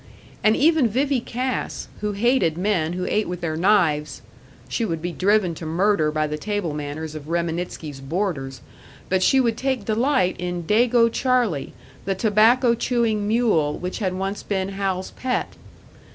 And even Vivie Cass, who hated men who ate with their knives she would be driven to murder by the table manners of Reminitsky's boarders, but she would take delight in "Dago Charlie," the tobacco chewing mule which had once been Hal's pet!